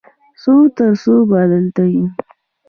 څو تر څو به دلته یو؟